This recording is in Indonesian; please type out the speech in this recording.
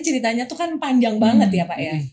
ceritanya tuh kan panjang banget ya pak ya